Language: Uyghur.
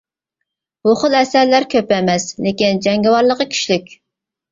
بۇ خىل ئەسەرلەر كۆپ ئەمەس، لېكىن جەڭگىۋارلىقى كۈچلۈك.